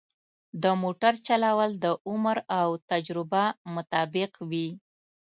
د موټر چلول د عمر او تجربه مطابق وي.